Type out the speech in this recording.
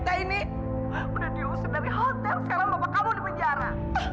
udah diusir dari hotel sekarang papa kamu di penjara